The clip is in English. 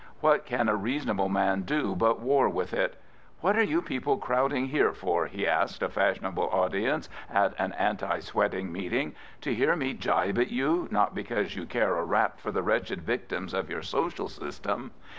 What can a reasonable man do but war with it? " What are you people crowding here for? " he asked a fashionable audience at an anti sweating meeting. " To hear me gibe at you, not because you care a rap for the wretched victims of your social system.